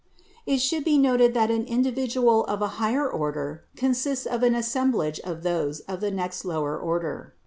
It should be noted that an individual of a higher order consists of an assemblage of those of the next lower order.